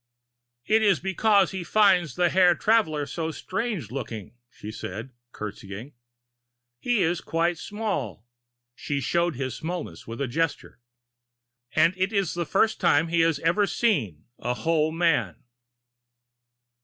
"It is because he finds the Herr Traveler so strange looking," she said, curtsying. "He is quite small," she showed his smallness with a gesture, "and it is the first time he has even seen a whole man."